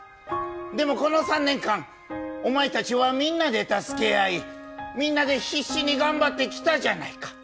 でもこの３年間、お前たちはみんなで助け合い、みんなで必死に頑張ってきたじゃないか。